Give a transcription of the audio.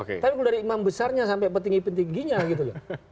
itu dari imam besarnya sampai petinggi petingginya gitu loh